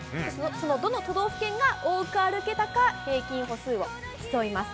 そのどの都道府県が多く歩けたか、平均歩数を競います。